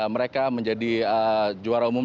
mereka menjadi juara umum